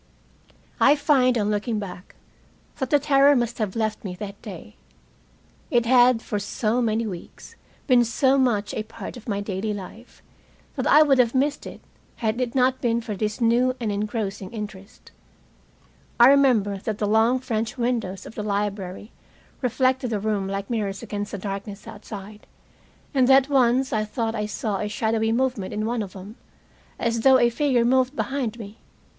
I find, on looking back, that the terror must have left me that day. It had, for so many weeks, been so much a part of my daily life that I would have missed it had it not been for this new and engrossing interest. I remember that the long French windows of the library reflected the room like mirrors against the darkness outside, and that once I thought I saw a shadowy movement in one of them, as though a figure moved behind me.